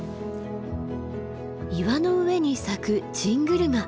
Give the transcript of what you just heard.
岩の上に咲くチングルマ。